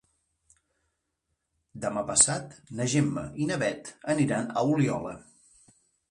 Demà passat na Gemma i na Bet aniran a Oliola.